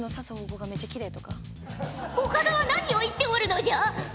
岡田は何を言っておるのじゃ！？